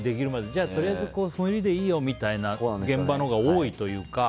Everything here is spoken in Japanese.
じゃあ、とりあえずこれでいいよみたいな現場のほうが多いというか。